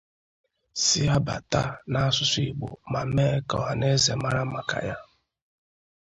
si abata nʻasụsụ Igbo ma mee ka ọhanaeze mara maka ya.